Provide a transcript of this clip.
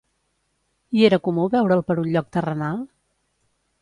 I era comú veure'l per un lloc terrenal?